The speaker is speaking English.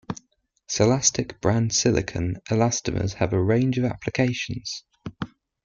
Silastic-brand silicone elastomers have a range of applications.